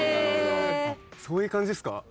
そういう感じですか？